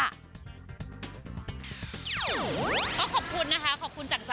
แต่ขอไม่ตอบเลยแล้วกันนะคะ